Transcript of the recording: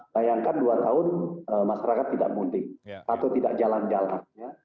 bayangkan dua tahun masyarakat tidak mudik atau tidak jalan jalan